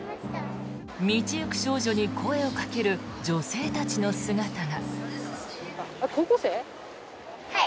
道行く少女に声をかける女性たちの姿が。